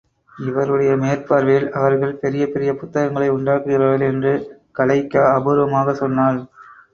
இவருடைய மேற்பார்வையில் அவர்கள் பெரிய பெரிய புத்தகங்களை உண்டாக்குகிறார்கள் என்று கலெய்க்கா அபூர்வமாகச் சொன்னாள்.